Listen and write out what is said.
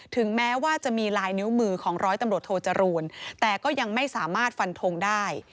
ถึงแม้ว่าจะมีลายนิ้วมือของร้อยตำรวจโทจรูนแต่ก็ยังไม่สามารถฟันทงได้